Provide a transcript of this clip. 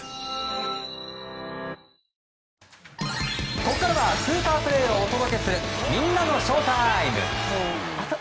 ここからはスーパープレーをお届けするみんなのＳＨＯＷＴＩＭＥ。